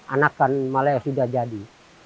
anak maleo sudah jadi